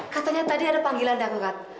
katanya tadi ada panggilan darurat